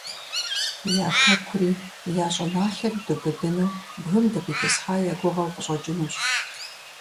Я хэкури, я щӀыналъэри дубыдыну бгым дыкъитӀысхьа я гугъэу къыщӀэкӀынущ.